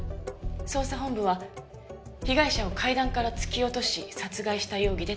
捜査本部は被害者を階段から突き落とし殺害した容疑で逮捕。